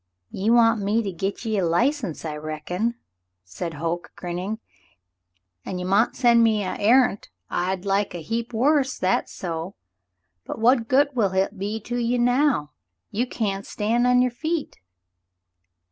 "Ye want me to git ye a license, I reckon," said Hoke, grinning, "an' ye mount send me a errant I'd like a heap worse — that's so ; but what good will hit be to ye now ? You can't stan' on your feet."